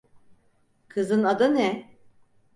Kızın adı ne?